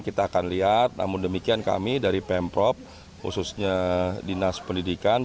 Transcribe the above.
kita akan lihat namun demikian kami dari pemprov khususnya dinas pendidikan